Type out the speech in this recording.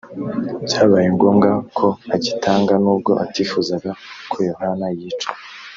byabaye ngombwa ko agitanga nubwo atifuzaga ko Yohana yicwa